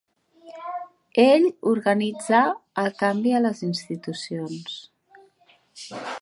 Ell organitzà el canvi a les institucions.